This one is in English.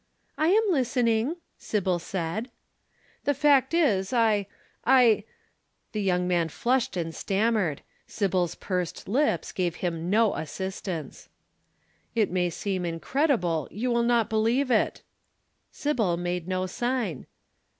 "'I am listening,' Sybil said. "'The fact is I I ' The young man flushed and stammered. Sybil's pursed lips gave him no assistance. "'It may seem incredible you will not believe it.' "Sybil made no sign.